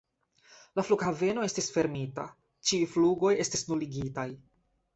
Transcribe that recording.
La flughaveno estis fermita, ĉiuj flugoj estis nuligitaj.